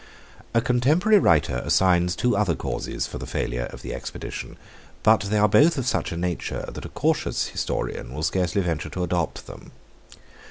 A contemporary writer assigns two other causes for the failure of the expedition; but they are both of such a nature, that a cautious historian will scarcely venture to adopt them.